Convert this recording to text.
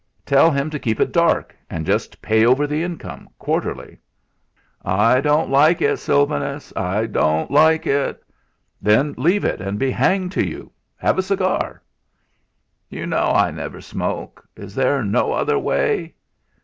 "Tell him to keep it dark, and just pay over the income, quarterly." "I don't like it, Sylvanus I don't like it." "Then leave it, and be hanged to you. Have a cigar?" "You know I never smoke. Is there no other way?"